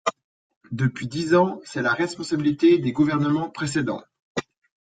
Depuis dix ans ! C’est la responsabilité des gouvernements précédents.